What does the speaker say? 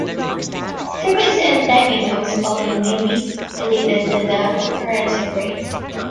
Frequency and timing of spawning may be related to the occurrence of rain.